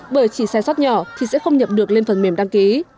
bởi chỉ xe xót nhỏ thì sẽ không nhập được lên phần mềm đăng ký